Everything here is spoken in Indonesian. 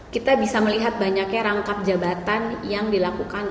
kita bisa melihat banyaknya rangkap jabatan yang dilakukan